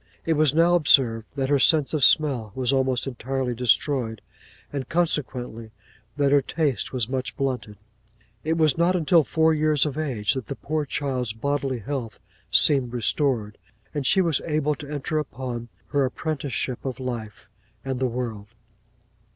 It was now observed that her sense of smell was almost entirely destroyed; and, consequently, that her taste was much blunted. 'It was not until four years of age that the poor child's bodily health seemed restored, and she was able to enter upon her apprenticeship of life and the world.